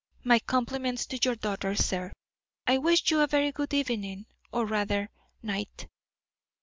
My compliments to your daughter, sir. I wish you a very good evening, or rather night."